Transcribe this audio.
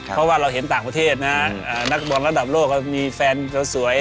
เพราะว่าเราเห็นต่างประเทศนะนักบอลระดับโลกมีแฟนสวย